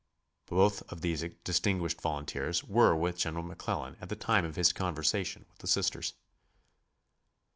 Both of these distinguished volunteers were with General McClellan at the time of his conversation with the Sisters.